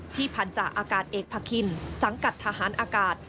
ที่ผ่านจากอากาศเอกพะคินสังกัดทหารอากาศ